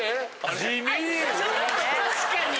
確かに！